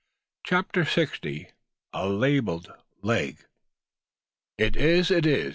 CHAPTER SIXTY. A LABELLED LEG. "It is! it is!"